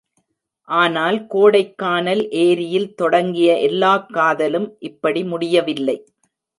ஆனால் கோடைக் கானல் ஏரியில் தொடங்கிய எல்லாக் காதலும் இப்படி முடியவில்லை.